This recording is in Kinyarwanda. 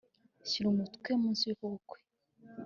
Shyira umutwe munsi yukuboko kwe